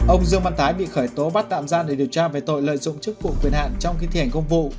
ông dương văn tái bị khởi tố bắt tạm giam để điều tra về tội lợi dụng chức vụ quyền hạn trong khi thi hành công vụ